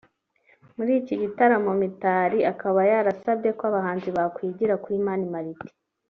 muri iki gitaramo Minisitiri Mitali akaba yarasabye ko abahanzi bakwigira kuri Mani Martin